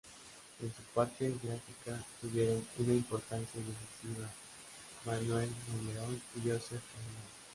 En su parte gráfica tuvieron una importancia decisiva Manuel Monleón y Josep Renau.